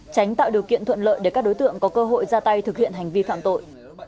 tránh tạo điều kiện thuận lợi để các đối tượng có cơ hội ra tay thực hiện hành vi phạm tội